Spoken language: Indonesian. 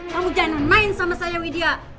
kamu jangan main sama saya widya